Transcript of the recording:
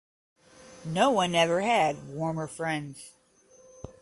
No one ever had warmer friends.